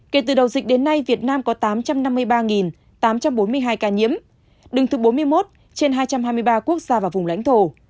kể từ đầu dịch đến nay việt nam có tám trăm năm mươi ba tám trăm bốn mươi hai ca nhiễm đứng thứ bốn mươi một trên hai trăm hai mươi ba quốc gia và vùng lãnh thổ